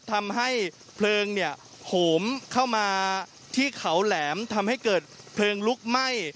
ทำให้เพลิงเนี่ยโหมเข้ามาที่เขาแหลมทำให้เกิดเพลิงลุกไหม้